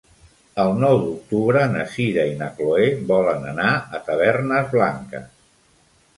El nou d'octubre na Sira i na Chloé volen anar a Tavernes Blanques.